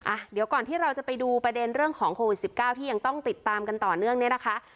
อ่ะเดี๋ยวก่อนที่เราจะไปดูประเด็นเรื่องของโควิดสิบเก้าที่ยังต้องติดตามกันต่อเนื่องเนี่ยนะคะ